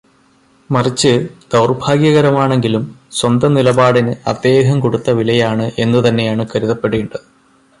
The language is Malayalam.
മറിച്ച് ദൗര്ഭാഗ്യകരമാണെങ്കിലും സ്വന്തം നിലപാടിന് അദ്ദേഹം കൊടുത്ത വിലയാണ് എന്നു തന്നെയാണ് കരുതപ്പെടേണ്ടത്.